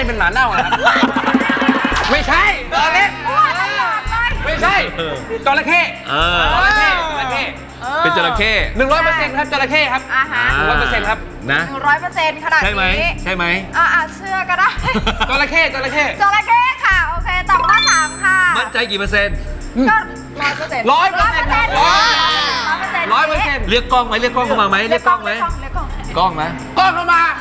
อยู่น่ะอยู่ร้อยเปอร์เซ็นส์ขนาดนี้ใช่ไหมใช่ไหมอ้าปชื่อก็ได้ค่ะจ่อนละคร่ะค่ะโอเคต่อข้าง